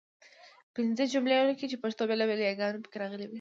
پنځه جملې ولیکئ چې پښتو بېلابېلې یګانې پکې راغلي وي.